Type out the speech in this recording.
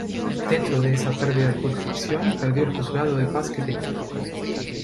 Dentro de esa perdida de jurisdicción perdió el juzgado de paz que tenía.